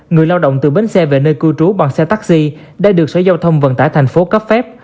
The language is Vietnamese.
người lao động từ bến xe về nơi cư trú bằng xe taxi đã được sở giao thông vận tải thành phố cấp phép